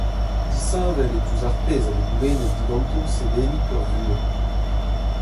Disheñvel eo diouzh ar pezh a vez goulennet diganto seveniñ peurvuiañ.